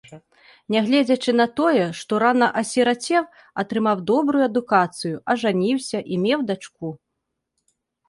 Нягледзячы на тое, што рана асірацеў, атрымаў добрую адукацыю, ажаніўся і меў дачку.